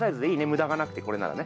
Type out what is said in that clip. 無駄がなくてこれならね。